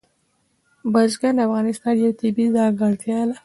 بزګان د افغانستان یوه طبیعي ځانګړتیا ده.